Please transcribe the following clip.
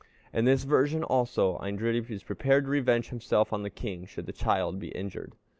In this version, also, Eindridi is prepared to revenge himself on the king, should the child be injured.